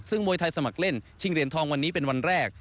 ซึ่งมวยไทยสมัครเล่นชิงเหรียญทองวันนี้เป็นวันแรก